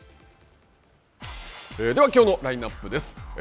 きょうのラインナップです。